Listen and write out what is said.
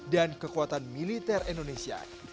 dan kekuatan militer indonesia